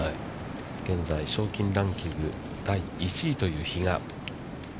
現在賞金ランキング第１位という比嘉。